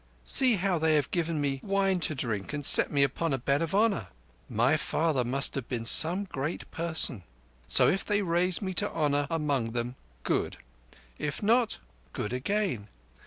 See how they have given me wine to drink and set me upon a bed of honour! My father must have been some great person. So if they raise me to honour among them, good. If not, good again.